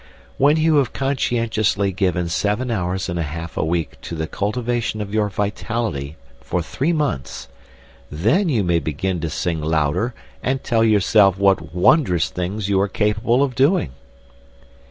When you have conscientiously given seven hours and a half a week to the cultivation of your vitality for three months then you may begin to sing louder and tell yourself what wondrous things you are capable of doing.